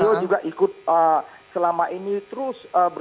karena beliau juga ikut selama ini terus berjabat